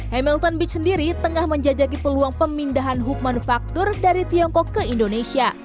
hamilton beach sendiri tengah menjajaki peluang pemindahan hub manufaktur dari tiongkok ke indonesia